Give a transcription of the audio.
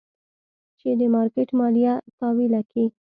چې د مارکېټ ماليه تاويله کي.